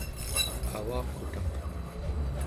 avaqutaq